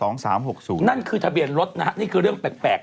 นั่นคือทะเบียนรถนะฮะนี่คือเรื่องแปลก